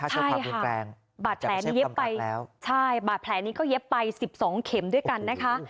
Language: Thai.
ใช่ค่ะบาทแผลนี้เย็บไป๑๒เข็มด้วยกันนะคะ